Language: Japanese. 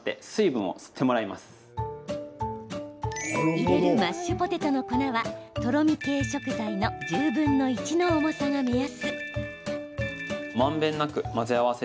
入れるマッシュポテトの粉はとろみ系食材の１０分の１の重さが目安。